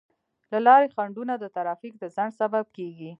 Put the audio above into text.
د لارې خنډونه د ترافیک د ځنډ سبب کیږي.